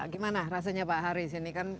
gimana rasanya pak haris